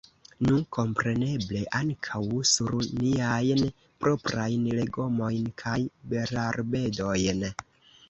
Nu, kompreneble ankaŭ sur niajn proprajn legomojn kaj berarbedojn.